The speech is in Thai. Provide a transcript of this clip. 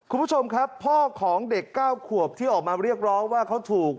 คุณผู้ชมครับพ่อของเด็ก๙ขวบที่ออกมาเรียกร้องว่าเขาถูก